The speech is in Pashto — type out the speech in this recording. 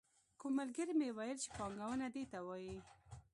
کوم ملګري مې ویل چې پانګونه دې ته وايي.